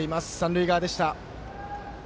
三塁側でした。